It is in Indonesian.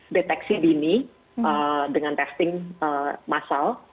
deteksi dini dengan testing masal